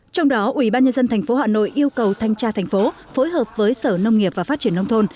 trong đó ủy ban nhân dân tp hà nội yêu cầu thanh tra thành phố phối hợp với sở nông nghiệp và phát triển nông thôn